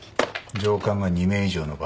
上官が二名以上の場合は？